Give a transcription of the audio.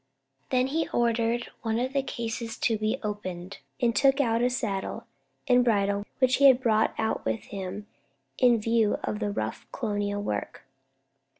Then he ordered one of the cases to be opened, and took out a saddle and bridle which he had brought out with him in view of rough colonial work.